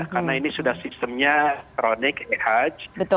karena ini sudah sistemnya kronik e hajj